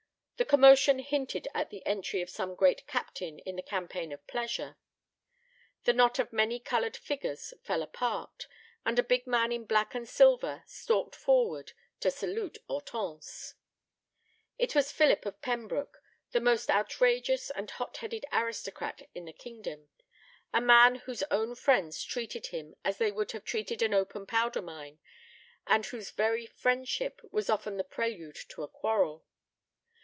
The commotion hinted at the entry of some great captain in the campaign of pleasure. The knot of many colored figures fell apart, and a big man in black and silver stalked forward to salute Hortense. It was Philip of Pembroke, the most outrageous and hot headed aristocrat in the kingdom, a man whose own friends treated him as they would have treated an open powder mine, and whose very friendship was often the prelude to a quarrel.